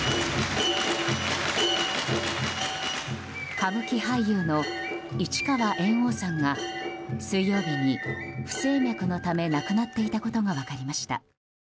歌舞伎俳優の市川猿翁さんが水曜日に、不整脈のため亡くなっていたことが分かりました。